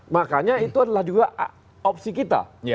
makanya itu adalah juga opsi kita